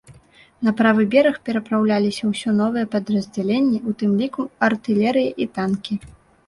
На правы бераг перапраўляліся ўсё новыя падраздзяленні, у тым ліку артылерыя і танкі.